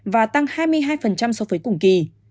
và tăng hai mươi hai so với cùng kỳ